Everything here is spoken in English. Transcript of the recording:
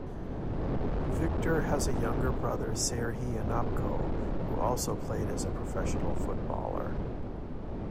Viktor has a younger brother Serhiy Onopko who also played as a professional footballer.